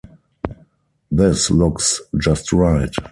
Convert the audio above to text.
This looks just right.